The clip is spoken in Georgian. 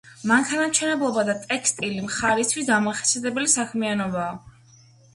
მანქანათმშენებლობა და ტექსტილი მხარისთვის დამახასიათებელი საქმიანობაა.